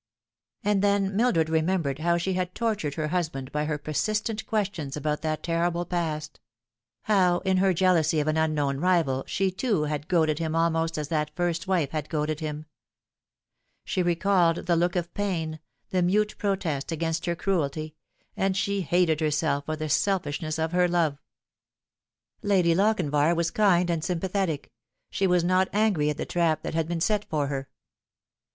And then Mildred remembered how she had tortured he* husband by her persistent questions about that terrible past ; how, in her jealousy of an unknown rival, she, too, had goaded him almost as that first wife had goaded him. Mie recalled the look of pain, the mute protest against her cruelty, and she hated herself for the selfishness of her love. Lady Lochinvar was kind and sympathetic. She was not angry at the trap that had been set for her.